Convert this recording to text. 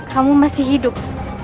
kamu masih hidup